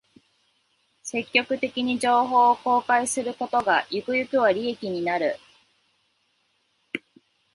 積極的に情報を公開することが、ゆくゆくは利益になる